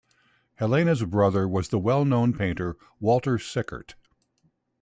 Helena's brother was the well-known painter Walter Sickert.